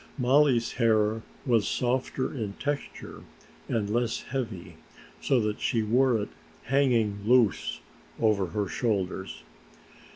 Mollie's hair was softer in texture and less heavy, so that she wore it hanging loose over her shoulders.